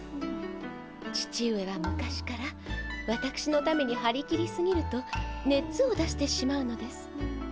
父上は昔からわたくしのために張り切りすぎるとねつを出してしまうのです。